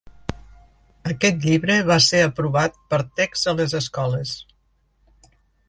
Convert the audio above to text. Aquest llibre va ser aprovat per a text a les escoles.